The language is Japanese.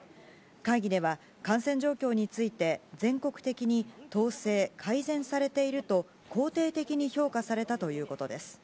会議では、感染状況について全国的に統制、改善されていると、肯定的に評価されたということです。